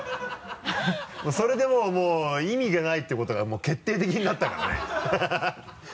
それでもう意味がないってことが決定的になったからね